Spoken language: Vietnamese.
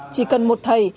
chỉ cần một thầy